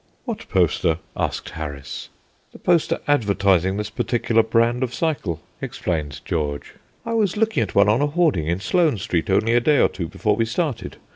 "What poster?" asked Harris. "The poster advertising this particular brand of cycle," explained George. "I was looking at one on a hoarding in Sloane Street only a day or two before we started.